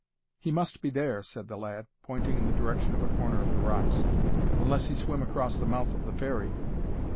"He must be there," said the lad, pointing in the direction of a corner of the rocks; "unless he swim across the mouth of the ferry."